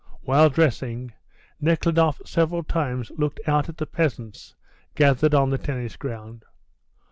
While dressing, Nekhludoff several times looked out at the peasants gathered on the tennis ground.